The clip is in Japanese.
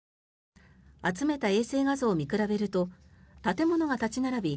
集めた衛星画像を見比べると建物が立ち並び